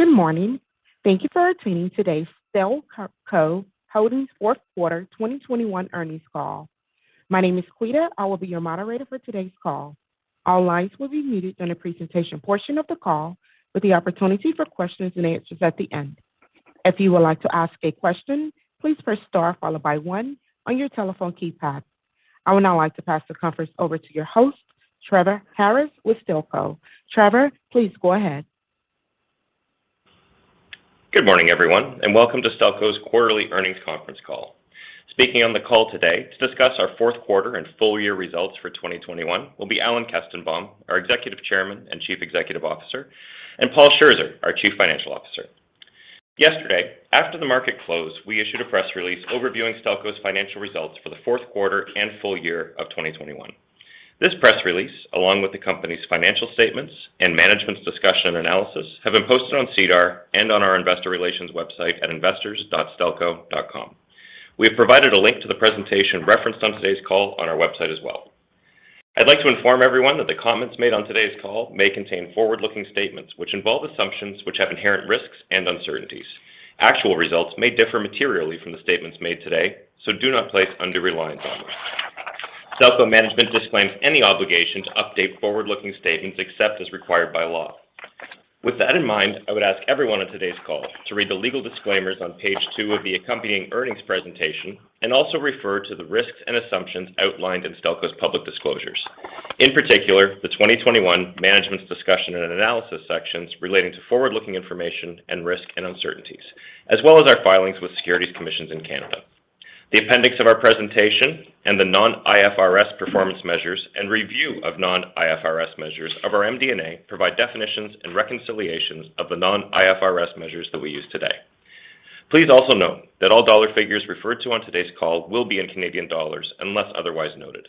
Good morning. Thank you for attending today's Stelco Holdings Fourth Quarter 2021 Earnings call. My name is Quita. I will be your moderator for today's call. All lines will be muted during the presentation portion of the call with the opportunity for questions and answers at the end. If you would like to ask a question, please press star followed by one on your telephone keypad. I would now like to pass the conference over to your host, Trevor Harris with Stelco. Trevor, please go ahead. Good morning, everyone, and welcome to Stelco's quarterly earnings conference call. Speaking on the call today to discuss our fourth quarter and full-year results for 2021 will be Alan Kestenbaum, our Executive Chairman and Chief Executive Officer, and Paul Scherzer, our Chief Financial Officer. Yesterday, after the market closed, we issued a press release overviewing Stelco's financial results for the fourth quarter and full-year of 2021. This press release, along with the company's financial statements and management's discussion and analysis, have been posted on SEDAR and on our investor relations website at investors.stelco.com. We have provided a link to the presentation referenced on today's call on our website as well. I'd like to inform everyone that the comments made on today's call may contain forward-looking statements which involve assumptions which have inherent risks and uncertainties. Actual results may differ materially from the statements made today, so do not place undue reliance on them. Stelco management disclaims any obligation to update forward-looking statements except as required by law. With that in mind, I would ask everyone on today's call to read the legal disclaimers on page 2 of the accompanying earnings presentation and also refer to the risks and assumptions outlined in Stelco's public disclosures. In particular, the 2021 Management's Discussion and Analysis sections relating to forward-looking information and risks and uncertainties, as well as our filings with securities commissions in Canada. The appendix of our presentation and the non-IFRS performance measures and review of non-IFRS measures of our MD&A provide definitions and reconciliations of the non-IFRS measures that we use today. Please also note that all dollar figures referred to on today's call will be in Canadian dollars unless otherwise noted.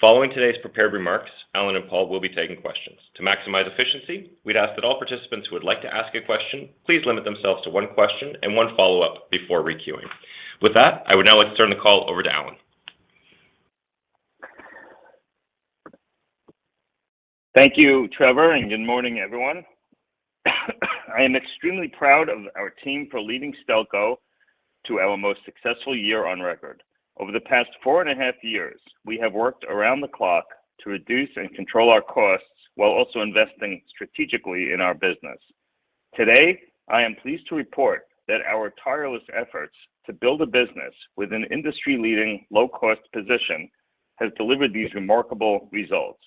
Following today's prepared remarks, Alan and Paul will be taking questions. To maximize efficiency, we'd ask that all participants who would like to ask a question, please limit themselves to one question and one follow-up before re-queuing. With that, I would now like to turn the call over to Alan. Thank you, Trevor, and good morning, everyone. I am extremely proud of our team for leading Stelco to our most successful year on record. Over the past four and a half years, we have worked around the clock to reduce and control our costs while also investing strategically in our business. Today, I am pleased to report that our tireless efforts to build a business with an industry-leading low-cost position has delivered these remarkable results.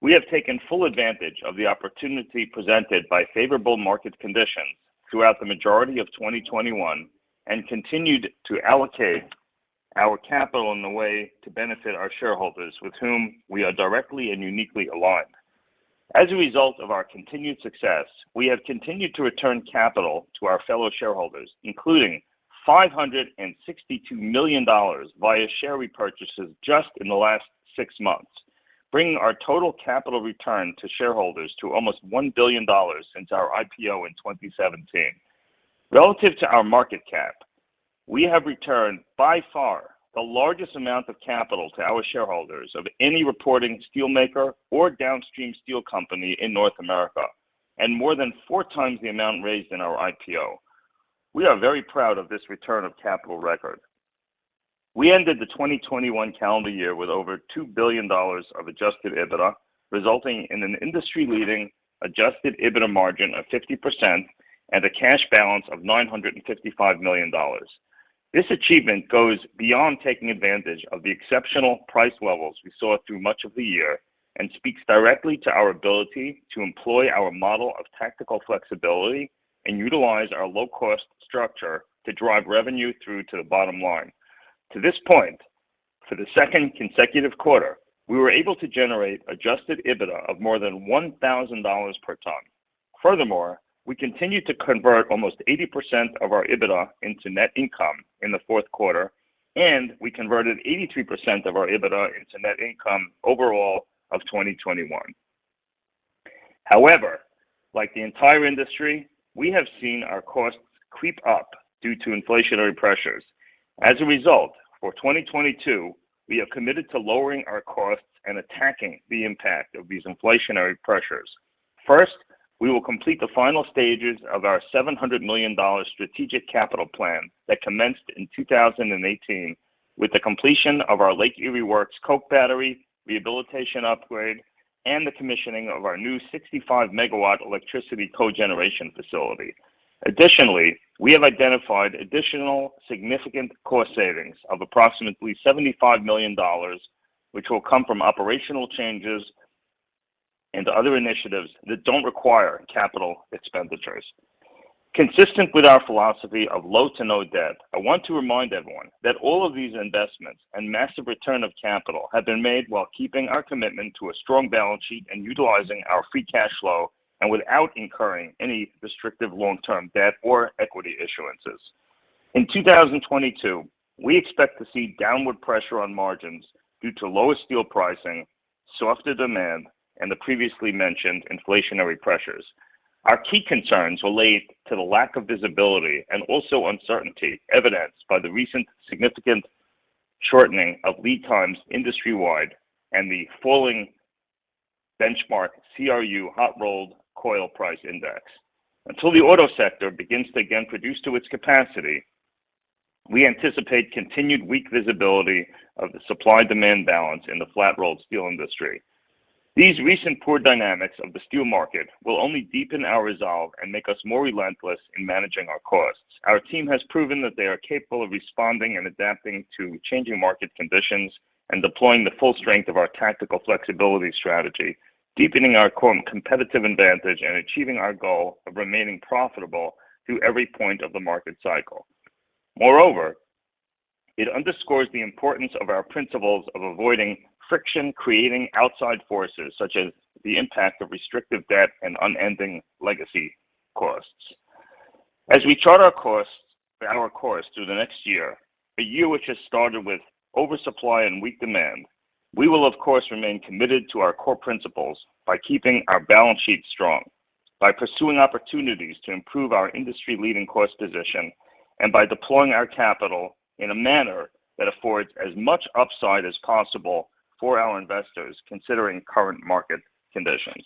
We have taken full advantage of the opportunity presented by favorable market conditions throughout the majority of 2021 and continued to allocate our capital in the way to benefit our shareholders with whom we are directly and uniquely aligned. As a result of our continued success, we have continued to return capital to our fellow shareholders, including $562 million via share repurchases just in the last six months, bringing our total capital return to shareholders to almost $1 billion since our IPO in 2017. Relative to our market cap, we have returned by far the largest amount of capital to our shareholders of any reporting steelmaker or downstream steel company in North America, and more than four times the amount raised in our IPO. We are very proud of this return of capital record. We ended the 2021 calendar year with over $2 billion of adjusted EBITDA, resulting in an industry-leading adjusted EBITDA margin of 50% and a cash balance of 955 million dollars. This achievement goes beyond taking advantage of the exceptional price levels we saw through much of the year and speaks directly to our ability to employ our model of tactical flexibility and utilize our low-cost structure to drive revenue through to the bottom line. To this point, for the second consecutive quarter, we were able to generate adjusted EBITDA of more than $1,000 per ton. Furthermore, we continued to convert almost 80% of our EBITDA into net income in the fourth quarter, and we converted 83% of our EBITDA into net income overall of 2021. However, like the entire industry, we have seen our costs creep up due to inflationary pressures. As a result, for 2022, we have committed to lowering our costs and attacking the impact of these inflationary pressures. First, we will complete the final stages of our $700 million strategic capital plan that commenced in 2018 with the completion of our Lake Erie Works coke battery rehabilitation upgrade and the commissioning of our new 65 MW electricity cogeneration facility. Additionally, we have identified additional significant cost savings of approximately $75 million, which will come from operational changes and other initiatives that don't require capital expenditures. Consistent with our philosophy of low to no debt, I want to remind everyone that all of these investments and massive return of capital have been made while keeping our commitment to a strong balance sheet and utilizing our free cash flow and without incurring any restrictive long-term debt or equity issuances. In 2022, we expect to see downward pressure on margins due to lower steel pricing, softer demand, and the previously mentioned inflationary pressures. Our key concerns relate to the lack of visibility and also uncertainty evidenced by the recent significant shortening of lead times industry-wide, and the falling benchmark CRU hot-rolled coil price index. Until the auto sector begins to again produce to its capacity, we anticipate continued weak visibility of the supply-demand balance in the flat-rolled steel industry. These recent poor dynamics of the steel market will only deepen our resolve and make us more relentless in managing our costs. Our team has proven that they are capable of responding and adapting to changing market conditions and deploying the full strength of our tactical flexibility strategy, deepening our core and competitive advantage and achieving our goal of remaining profitable through every point of the market cycle. Moreover, it underscores the importance of our principles of avoiding friction-creating outside forces, such as the impact of restrictive debt and unending legacy costs. As we chart our course through the next year, a year which has started with oversupply and weak demand, we will of course remain committed to our core principles by keeping our balance sheet strong, by pursuing opportunities to improve our industry-leading cost position, and by deploying our capital in a manner that affords as much upside as possible for our investors considering current market conditions.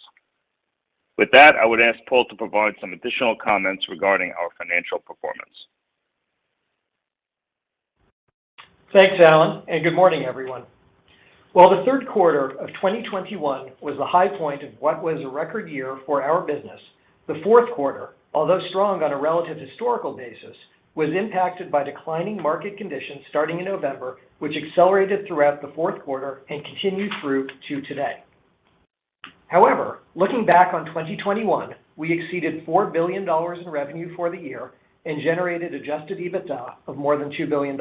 With that, I would ask Paul to provide some additional comments regarding our financial performance. Thanks, Alan, and good morning, everyone. While the third quarter of 2021 was the high point of what was a record year for our business, the fourth quarter, although strong on a relative historical basis, was impacted by declining market conditions starting in November, which accelerated throughout the fourth quarter and continued through to today. However, looking back on 2021, we exceeded $4 billion in revenue for the year and generated adjusted EBITDA of more than $2 billion.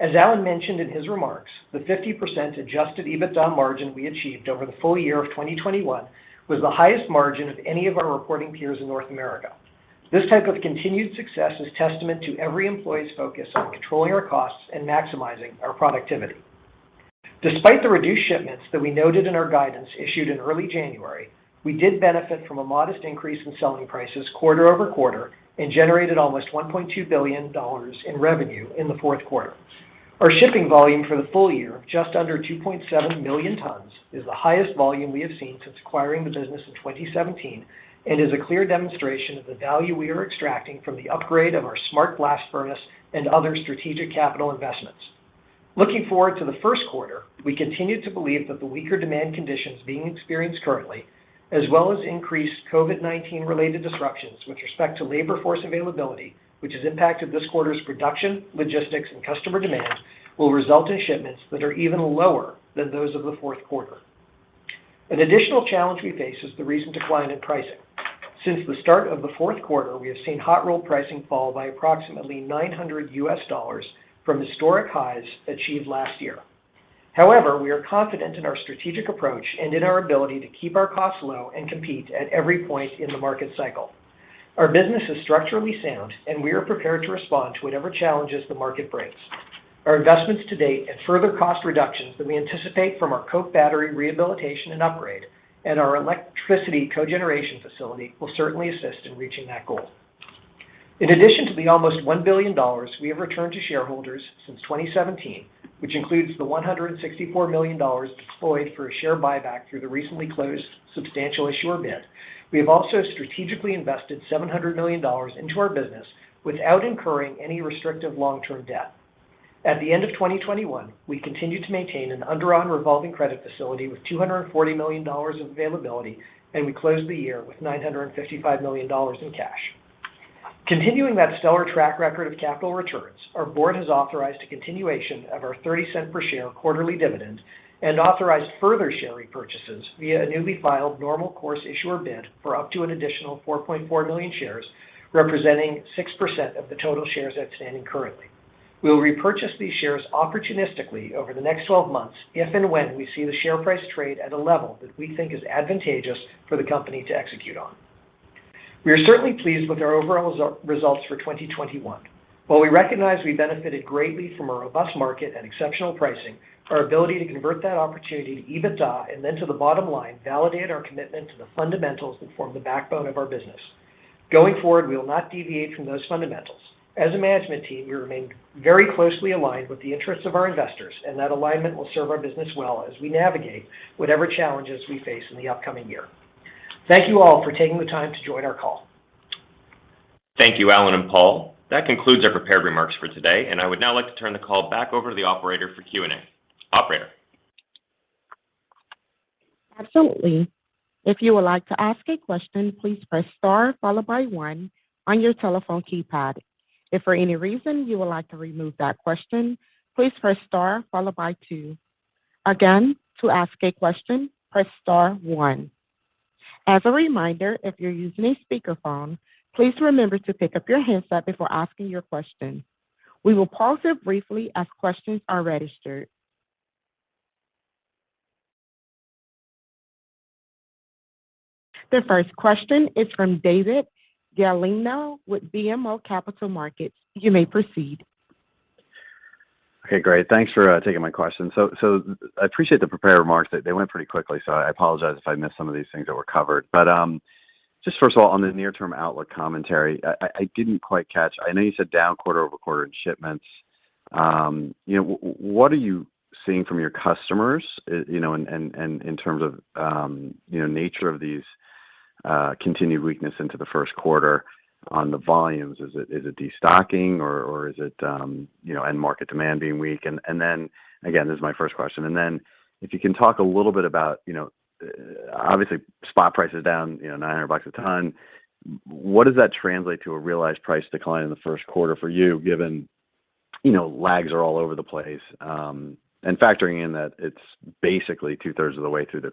As Alan mentioned in his remarks, the 50% adjusted EBITDA margin we achieved over the full-year of 2021 was the highest margin of any of our reporting peers in North America. This type of continued success is testament to every employee's focus on controlling our costs and maximizing our productivity. Despite the reduced shipments that we noted in our guidance issued in early January, we did benefit from a modest increase in selling prices quarter over quarter and generated almost $.2 billion in revenue in the fourth quarter. Our shipping volume for the full-year, just under 2.7 million tons, is the highest volume we have seen since acquiring the business in 2017 and is a clear demonstration of the value we are extracting from the upgrade of our smart blast furnace and other strategic capital investments. Looking forward to the first quarter, we continue to believe that the weaker demand conditions being experienced currently, as well as increased COVID-19-related disruptions with respect to labor force availability, which has impacted this quarter's production, logistics, and customer demand, will result in shipments that are even lower than those of the fourth quarter. An additional challenge we face is the recent decline in pricing. Since the start of the fourth quarter, we have seen hot-rolled pricing fall by approximately $900 from historic highs achieved last year. However, we are confident in our strategic approach and in our ability to keep our costs low and compete at every point in the market cycle. Our business is structurally sound, and we are prepared to respond to whatever challenges the market brings. Our investments to date and further cost reductions that we anticipate from our coke battery rehabilitation and upgrade and our electricity cogeneration facility will certainly assist in reaching that goal. In addition to the almost $1 billion we have returned to shareholders since 2017, which includes the$164 million deployed for a share buyback through the recently closed substantial issuer bid, we have also strategically invested $700 million into our business without incurring any restrictive long-term debt. At the end of 2021, we continued to maintain an undrawn revolving credit facility with $240 million of availability, and we closed the year with $955 million in cash. Continuing that stellar track record of capital returns, our board has authorized a continuation of our $0.30 per-share quarterly dividend and authorized further share repurchases via a newly filed normal course issuer bid for up to an additional 4.4 million shares, representing 6% of the total shares outstanding currently. We will repurchase these shares opportunistically over the next 12 months if and when we see the share price trade at a level that we think is advantageous for the company to execute on. We are certainly pleased with our overall results for 2021. While we recognize we benefited greatly from a robust market and exceptional pricing, our ability to convert that opportunity to EBITDA and then to the bottom line validated our commitment to the fundamentals that form the backbone of our business. Going forward, we will not deviate from those fundamentals. As a management team, we remain very closely aligned with the interests of our investors, and that alignment will serve our business well as we navigate whatever challenges we face in the upcoming year. Thank you all for taking the time to join our call. Thank you, Alan and Paul. That concludes our prepared remarks for today, and I would now like to turn the call back over to the operator for Q&A. Operator? Absolutely. If you would like to ask a question, please press star followed by one on your telephone keypad. If for any reason you would like to remove that question, please press star followed by two. Again, to ask a question, press star one. As a reminder, if you're using a speakerphone, please remember to pick up your handset before asking your question. We will pause here briefly as questions are registered. The first question is from David Gagliano with BMO Capital Markets. You may proceed. Okay, great. Thanks for taking my question. So I appreciate the prepared remarks. They went pretty quickly, so I apologize if I missed some of these things that were covered. Just first of all, on the near-term outlook commentary, I didn't quite catch. I know you said down quarter-over-quarter in shipments. You know, what are you seeing from your customers, you know, and in terms of, you know, nature of these continued weakness into the first quarter on the volumes? Is it destocking or is it, you know, end market demand being weak? Then again, this is my first question. If you can talk a little bit about, you know, obviously spot price is down, you know, $900 a ton. What does that translate to a realized price decline in the first quarter for you, given, you know, lags are all over the place, and factoring in that it's basically two-thirds of the way through the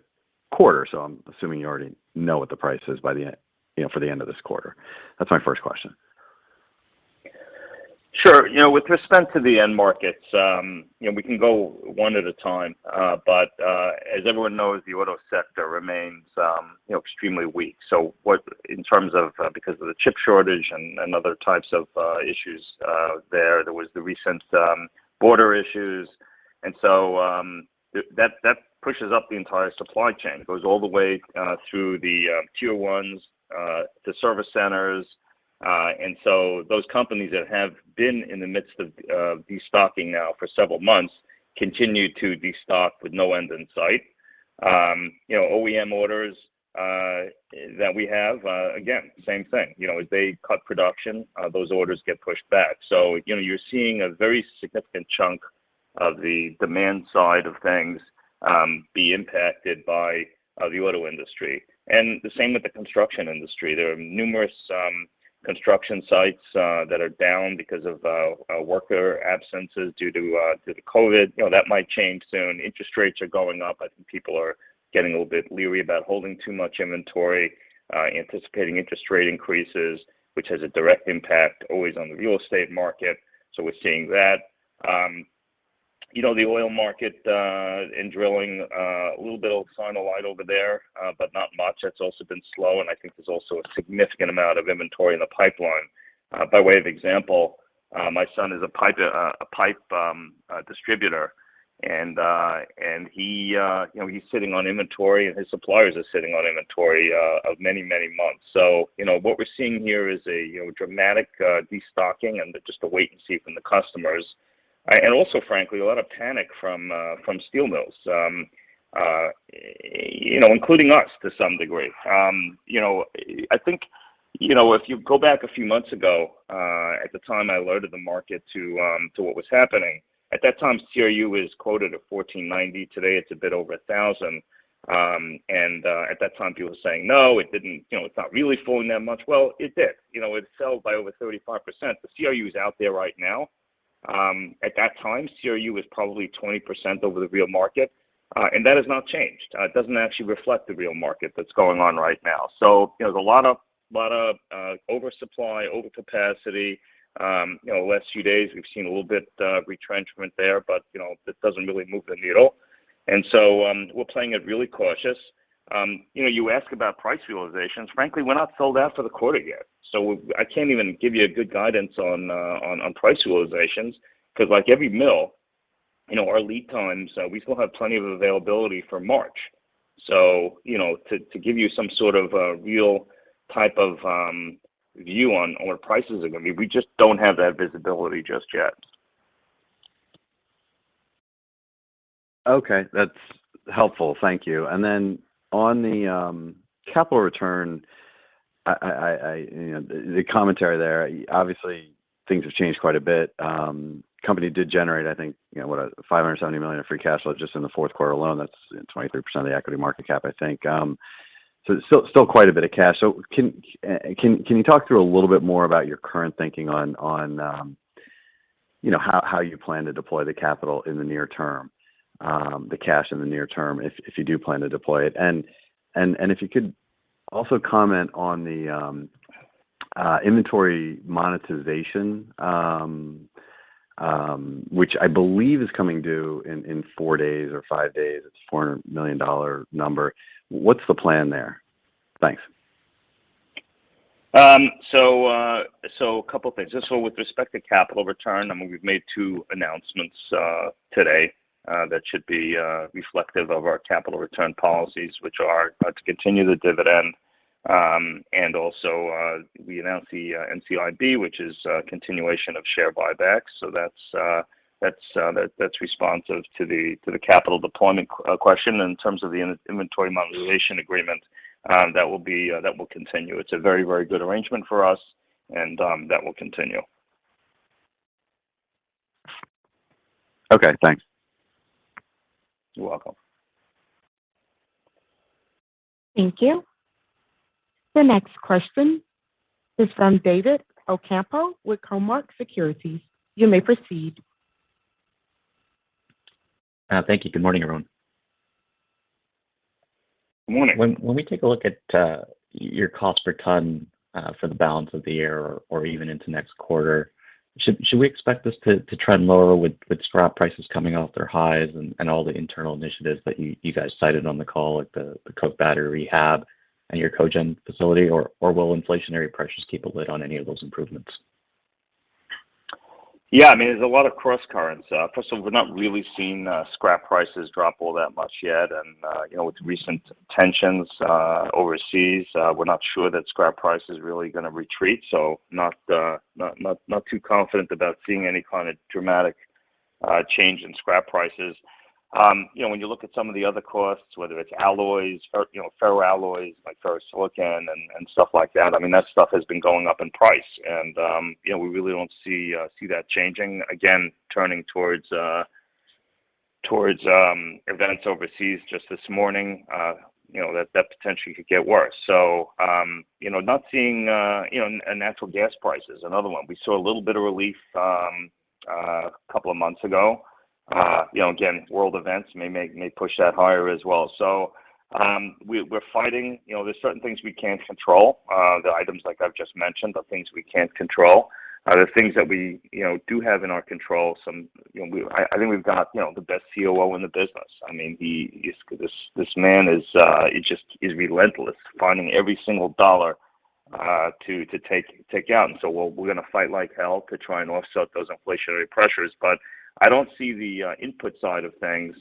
quarter, so I'm assuming you already know what the price is by the end, you know, for the end of this quarter. That's my first question. Sure. You know, with respect to the end markets, you know, we can go one at a time. As everyone knows, the auto sector remains, you know, extremely weak. In terms of because of the chip shortage and other types of issues there was the recent border issues. That pushes up the entire supply chain. It goes all the way through the tier ones, the service centers. Those companies that have been in the midst of destocking now for several months continue to destock with no end in sight. You know, OEM orders that we have, again, same thing. You know, as they cut production, those orders get pushed back. You know, you're seeing a very significant chunk of the demand side of things be impacted by the auto industry. The same with the construction industry. There are numerous construction sites that are down because of worker absences due to COVID. You know, that might change soon. Interest rates are going up. I think people are getting a little bit leery about holding too much inventory anticipating interest rate increases, which has a direct impact always on the real estate market. We're seeing that. You know, the oil market in drilling a little bit of a sign of light over there but not much. That's also been slow, and I think there's also a significant amount of inventory in the pipeline. By way of example, my son is a pipe distributor and he you know he's sitting on inventory, and his suppliers are sitting on inventory of many months. What we're seeing here is a you know dramatic destocking and just a wait and see from the customers. Also, frankly, a lot of panic from steel mills you know including us to some degree. I think you know if you go back a few months ago at the time I alerted the market to what was happening. At that time, CRU was quoted at $1,490. Today, it's a bit over $1,000. At that time, people were saying, "No, it didn't. You know, it's not really falling that much." Well, it did. You know, it fell by over 35%. The CRU is out there right now. At that time, CRU was probably 20% over the real market, and that has not changed. It doesn't actually reflect the real market that's going on right now. You know, there's a lot of oversupply, overcapacity. You know, last few days we've seen a little bit of retrenchment there, but you know, it doesn't really move the needle. We're playing it really cautious. You know, you ask about price realizations. Frankly, we're not sold out for the quarter yet, so I can't even give you a good guidance on price realizations, 'cause like every mill, you know, our lead times, we still have plenty of availability for March. So, you know, to give you some sort of a real type of view on what prices are gonna be, we just don't have that visibility just yet. Okay, that's helpful. Thank you. On the capital return, I, you know, the commentary there, obviously things have changed quite a bit. Company did generate, I think, you know, what a $570 million of free cash flow just in the fourth quarter alone. That's 23% of the equity market cap, I think. Still quite a bit of cash. Can you talk through a little bit more about your current thinking on you know, how you plan to deploy the capital in the near term? The cash in the near term, if you do plan to deploy it. And if you could also comment on the inventory monetization, which I believe is coming due in four days or five days. It's a $400 million number. What's the plan there? Thanks. A couple things. Just so with respect to capital return, I mean, we've made two announcements today that should be reflective of our capital return policies, which are to continue the dividend. Also, we announced the NCIB, which is continuation of share buybacks. That's responsive to the capital deployment question. In terms of the inventory monetization agreement, that will continue. It's a very, very good arrangement for us and that will continue. Okay, thanks. You're welcome. Thank you. The next question is from David Ocampo with Cormark Securities. You may proceed. Thank you. Good morning, everyone. Good morning. When we take a look at your cost per ton for the balance of the year or even into next quarter, should we expect this to trend lower with scrap prices coming off their highs and all the internal initiatives that you guys cited on the call, like the coke battery rehab and your cogen facility, or will inflationary pressures keep a lid on any of those improvements? Yeah, I mean, there's a lot of crosscurrents. First of all, we're not really seeing scrap prices drop all that much yet. You know, with recent tensions overseas, we're not sure that scrap price is really gonna retreat. Not too confident about seeing any kind of dramatic change in scrap prices. You know, when you look at some of the other costs, whether it's alloys or, you know, ferro alloys like ferrosilicon and stuff like that, I mean, that stuff has been going up in price. You know, we really don't see that changing. Again, turning towards events overseas just this morning, you know, that potentially could get worse. You know, not seeing. You know, natural gas price is another one. We saw a little bit of relief, couple of months ago. You know, again, world events may push that higher as well. We're fighting. You know, there's certain things we can't control. The items like I've just mentioned are things we can't control. The things that we, you know, do have in our control, some, you know, I think we've got, you know, the best COO in the business. I mean, this man is, he just is relentless finding every single dollar to take out. We're gonna fight like hell to try and offset those inflationary pressures. I don't see the input side of things,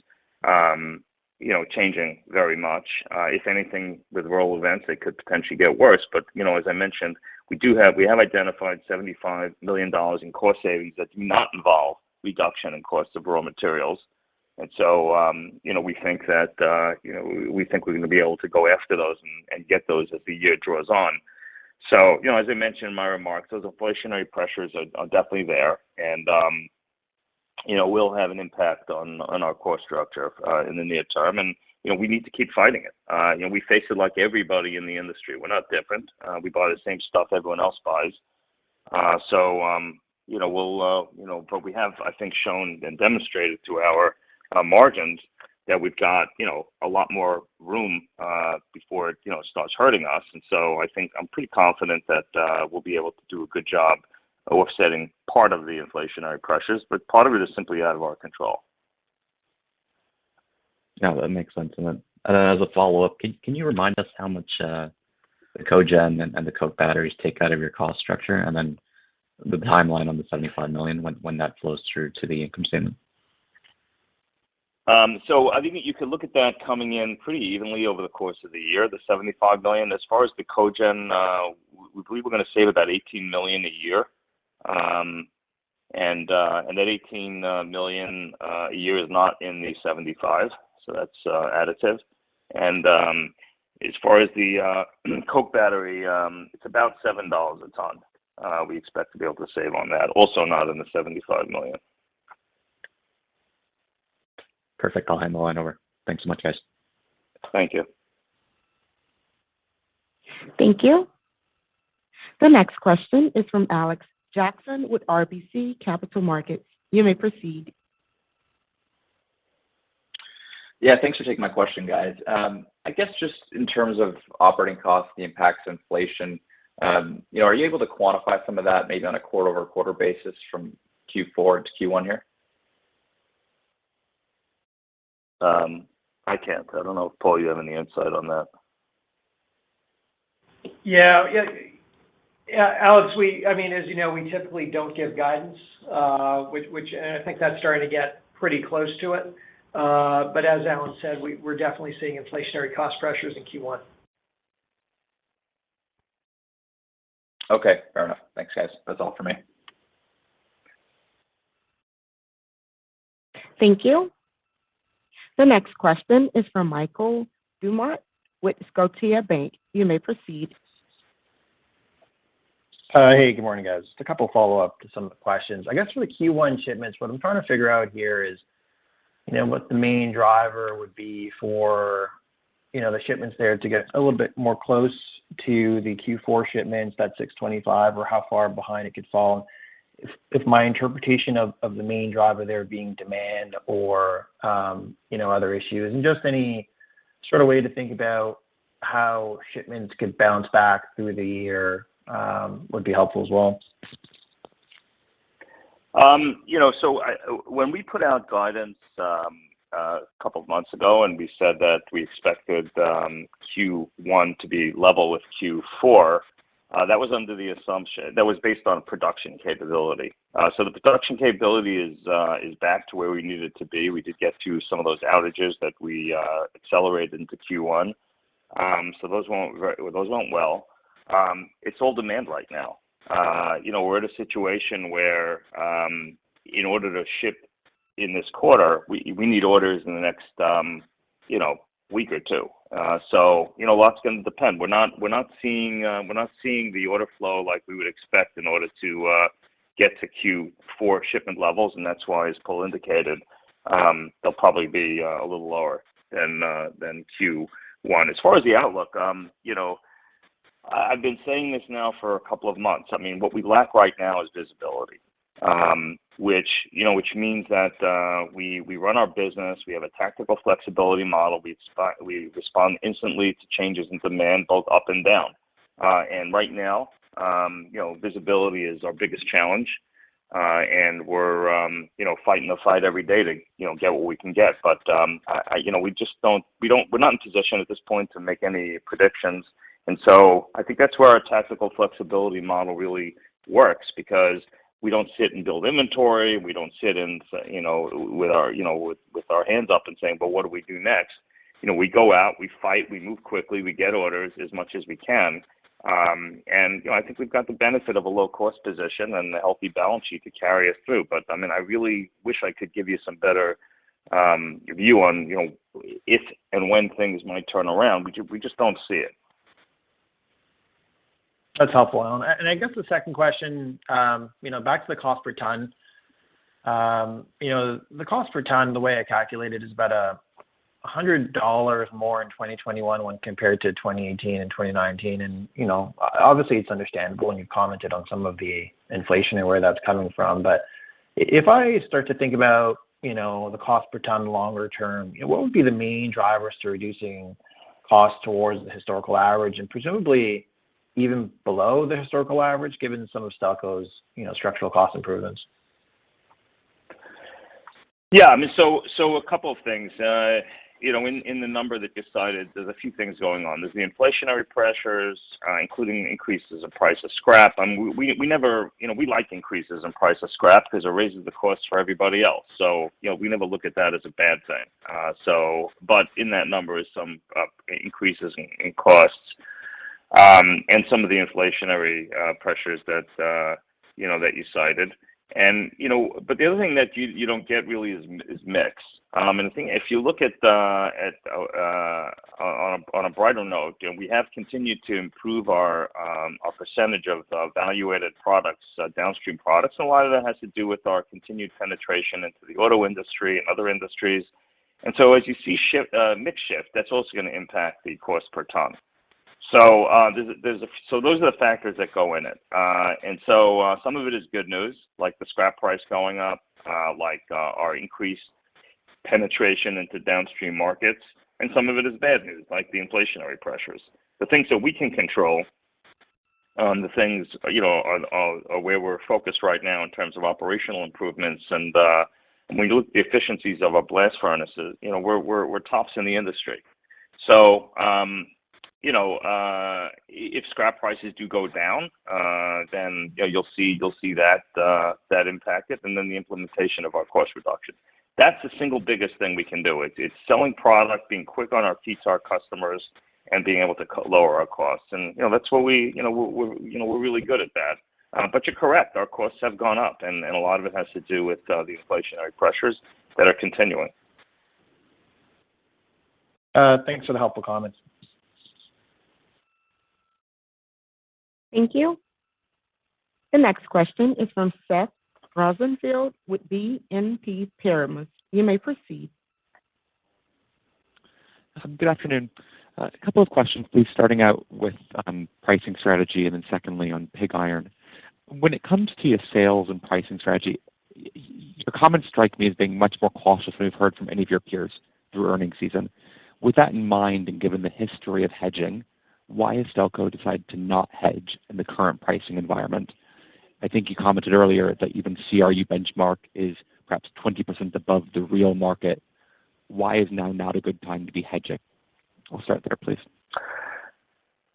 you know, changing very much. If anything, with world events, it could potentially get worse. You know, as I mentioned, we have identified $75 million in cost savings that do not involve reduction in cost of raw materials. You know, we think that, you know, we think we're gonna be able to go after those and get those as the year draws on. You know, as I mentioned in my remarks, those inflationary pressures are definitely there and, you know, will have an impact on our cost structure in the near term. You know, we need to keep fighting it. You know, we face it like everybody in the industry. We're not different. We buy the same stuff everyone else buys. You know, but we have, I think, shown and demonstrated through our margins that we've got, you know, a lot more room before it, you know, starts hurting us. I think I'm pretty confident that we'll be able to do a good job offsetting part of the inflationary pressures, but part of it is simply out of our control. No, that makes sense. Then as a follow-up, can you remind us how much the cogen and the coke batteries take out of your cost structure? Then the timeline on the $75 million, when that flows through to the income statement. I think you could look at that coming in pretty evenly over the course of the year, the $75 million. As far as the cogen, we believe we're gonna save about $18 million a year. That 18 million a year is not in the $75, so that's additive. As far as the coke battery, it's about $7 a ton, we expect to be able to save on that. Also not in the $75 million. Perfect. I'll hand the line over. Thanks so much, guys. Thank you. Thank you. The next question is from Alexander Jackson with RBC Capital Markets. You may proceed. Yeah. Thanks for taking my question, guys. I guess just in terms of operating costs, the impacts of inflation, you know, are you able to quantify some of that maybe on a quarter-over-quarter basis from Q4 to Q1 here? I can't. I don't know if, Paul, you have any insight on that. Alex, I mean, as you know, we typically don't give guidance, and I think that's starting to get pretty close to it. But as Alan said, we're definitely seeing inflationary cost pressures in Q1. Okay. Fair enough. Thanks, guys. That's all for me. Thank you. The next question is from Michael Doumet with Scotiabank. You may proceed. Hey, good morning, guys. A couple follow-up to some of the questions. I guess for the Q1 shipments, what I'm trying to figure out here is, you know, what the main driver would be for, you know, the shipments there to get a little bit more close to the Q4 shipments, that 625, or how far behind it could fall. If my interpretation of the main driver there being demand or, you know, other issues. Just any sort of way to think about how shipments could bounce back through the year would be helpful as well. You know, when we put out guidance a couple of months ago and we said that we expected Q1 to be level with Q4, that was under the assumption that was based on production capability. The production capability is back to where we need it to be. We did get through some of those outages that we accelerated into Q1. Those went well. It's all demand right now. You know, we're at a situation where in order to ship in this quarter, we need orders in the next you know, week or two. You know, a lot's gonna depend. We're not seeing the order flow like we would expect in order to get to Q4 shipment levels, and that's why, as Paul indicated, they'll probably be a little lower than Q1. As far as the outlook, you know, I've been saying this now for a couple of months. I mean, what we lack right now is visibility, which, you know, means that we run our business, we have a tactical flexibility model. We respond instantly to changes in demand both up and down. Right now, visibility is our biggest challenge. We're fighting the fight every day to get what we can get. I, you know, we just don't. We're not in position at this point to make any predictions. I think that's where our tactical flexibility model really works because we don't sit and build inventory. We don't sit in, you know, with our hands up and saying, "But what do we do next?" You know, we go out, we fight, we move quickly, we get orders as much as we can. You know, I think we've got the benefit of a low-cost position and a healthy balance sheet to carry us through. I mean, I really wish I could give you some better view on, you know, if and when things might turn around. We just don't see it. That's helpful. I guess the second question, you know, back to the cost per ton. You know, the cost per ton, the way I calculate it, is about $100 more in 2021 when compared to 2018 and 2019. You know, obviously it's understandable, and you've commented on some of the inflation and where that's coming from. If I start to think about, you know, the cost per ton longer term, what would be the main drivers to reducing cost towards the historical average, and presumably even below the historical average, given some of Stelco's, you know, structural cost improvements? Yeah. I mean, a couple of things. You know, in the number that you cited, there's a few things going on. There's the inflationary pressures, including increases in price of scrap. You know, we like increases in price of scrap because it raises the costs for everybody else, so you know, we never look at that as a bad thing. But in that number is some increases in costs and some of the inflationary pressures that you know, that you cited. You know, but the other thing that you don't get really is mix. If you look at on a brighter note, you know, we have continued to improve our percentage of value-added products, downstream products. A lot of that has to do with our continued penetration into the auto industry and other industries. As you see, mix shift, that's also gonna impact the cost per ton. Those are the factors that go in it. Some of it is good news, like the scrap price going up, like our increased penetration into downstream markets, and some of it is bad news, like the inflationary pressures. The things that we can control, the things you know are where we're focused right now in terms of operational improvements. When you look at the efficiencies of our blast furnaces, you know, we're tops in the industry. If scrap prices do go down, then, you know, you'll see that impact it, and then the implementation of our cost reduction. That's the single biggest thing we can do is selling product, being quick on our feet to our customers, and being able to lower our costs. You know, that's what we, you know, we're really good at that. But you're correct. Our costs have gone up, and a lot of it has to do with the inflationary pressures that are continuing. Thanks for the helpful comments. Thank you. The next question is from Seth Rosenfeld with BNP Paribas. You may proceed. Good afternoon. A couple of questions, please, starting out with pricing strategy and then secondly on pig iron. When it comes to your sales and pricing strategy, your comments strike me as being much more cautious than we've heard from any of your peers through earnings season. With that in mind and given the history of hedging, why has Stelco decided to not hedge in the current pricing environment? I think you commented earlier that even CRU benchmark is perhaps 20% above the real market. Why is now not a good time to be hedging? We'll start there, please.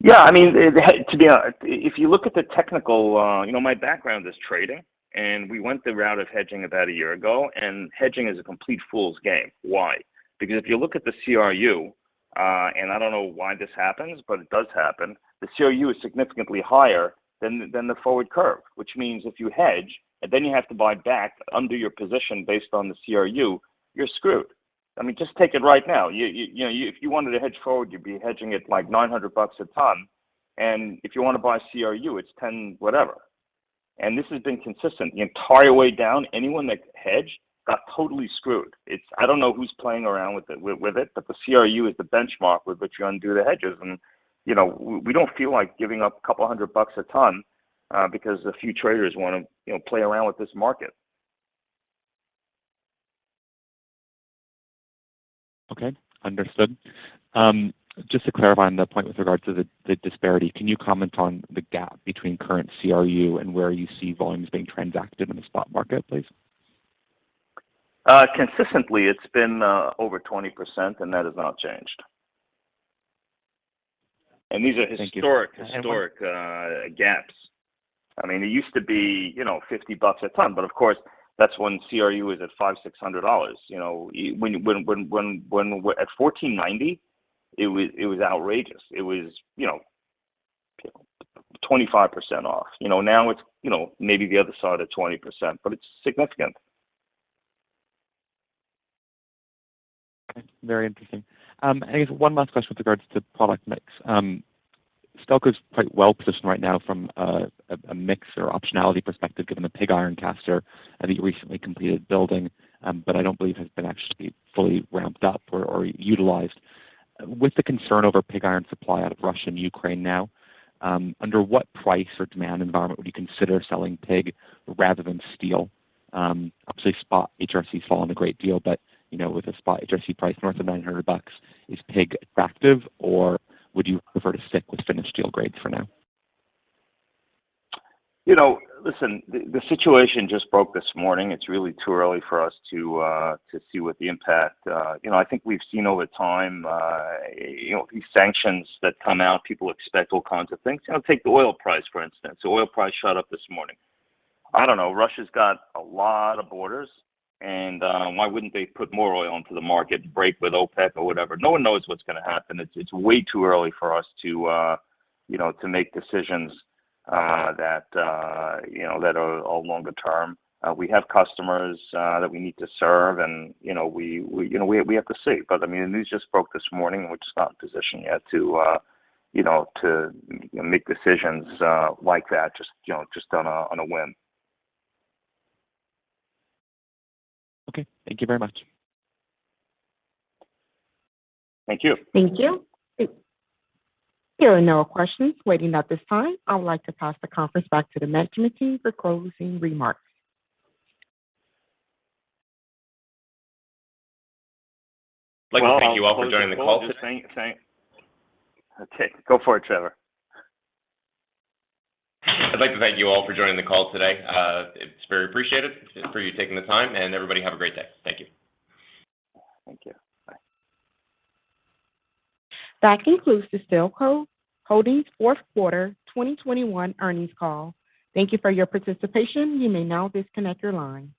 Yeah, I mean, if you look at the technical. You know, my background is trading, and we went the route of hedging about a year ago, and hedging is a complete fool's game. Why? Because if you look at the CRU, and I don't know why this happens, but it does happen, the CRU is significantly higher than the forward curve. Which means if you hedge, and then you have to buy back under your position based on the CRU, you're screwed. I mean, just take it right now. You know, if you wanted to hedge forward, you'd be hedging at, like, $900 a ton. And if you want to buy CRU, it's ten whatever. And this has been consistent the entire way down. Anyone that hedged got totally screwed. I don't know who's playing around with it, but the CRU is the benchmark with which you undo the hedges. You know, we don't feel like giving up $200 a ton, because a few traders wanna, you know, play around with this market. Okay, understood. Just to clarify on that point with regard to the disparity, can you comment on the gap between current CRU and where you see volumes being transacted in the spot market, please? Consistently it's been over 20%, and that has not changed. Thank you. These are historic And- Historic gaps. I mean, it used to be, you know, $50 a ton. Of course, that's when CRU was at $500-$600. You know, when we're at $1,490, it was outrageous. It was, you know, 25% off. You know, now it's, you know, maybe the other side of 20%, but it's significant. Okay, very interesting. I guess one last question with regards to product mix. Stelco's quite well-positioned right now from a mix or optionality perspective given the pig iron caster I think you recently completed building, but I don't believe has been actually fully ramped up or utilized. With the concern over pig iron supply out of Russia and Ukraine now, under what price or demand environment would you consider selling pig rather than steel? Obviously spot HRC has fallen a great deal but, you know, with the spot HRC price north of $900, is pig attractive or would you prefer to stick with finished steel grades for now? You know, listen, the situation just broke this morning. It's really too early for us to see what the impact. You know, I think we've seen over time, you know, these sanctions that come out, people expect all kinds of things. You know, take the oil price for instance. The oil price shot up this morning. I don't know. Russia's got a lot of borders, and why wouldn't they put more oil into the market and break with OPEC or whatever? No one knows what's gonna happen. It's way too early for us to, you know, to make decisions that, you know, that are all longer term. We have customers that we need to serve and, you know, we have to see. I mean, the news just broke this morning, and we're just not in a position yet to you know make decisions like that just you know on a whim. Okay, thank you very much. Thank you. Thank you. There are no questions waiting at this time. I would like to pass the conference back to the management team for closing remarks. I'd like to thank you all for joining the call today. Okay, go for it, Trevor. I'd like to thank you all for joining the call today. It's very appreciated for you taking the time. Everybody have a great day. Thank you. Thank you. Bye. That concludes the Stelco Holdings Fourth Quarter 2021 Earnings Call. Thank you for your participation. You may now disconnect your line.